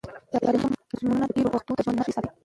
تاریخي موزیمونه د تېرو وختونو د ژوند نښې ساتي.